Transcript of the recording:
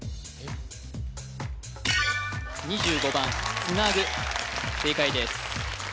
２５番つなぐ正解です